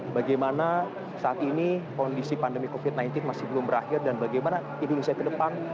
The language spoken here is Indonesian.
bagaimana saat ini kondisi pandemi covid sembilan belas masih belum berakhir dan bagaimana indonesia ke depan